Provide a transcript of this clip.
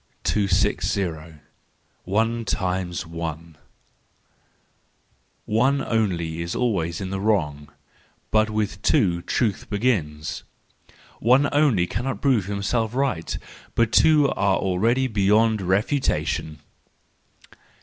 260. One times One .—One only is always in the wrong, but with two truth begins.—One only cannot prove himself right; but two are already beyond refutation.